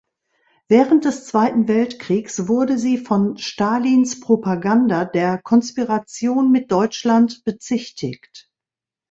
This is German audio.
Während des Zweiten Weltkriegs wurde sie von Stalins Propaganda der Konspiration mit Deutschland bezichtigt.